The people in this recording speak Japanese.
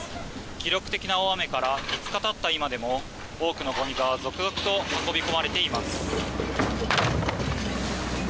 記録的な大雨から２日経った今でも多くのごみが続々と運び込まれています。